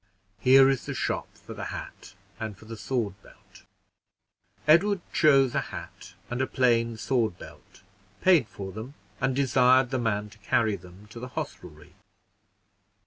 "Here is the shop for the hat and for the sword belt." Edward chose a hat and a plain sword belt, paid for them, and desired the man to carry them to the hostelry.